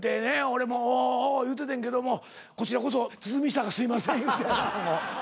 俺もおお言うててんけどもこちらこそ堤下がすいません言うて。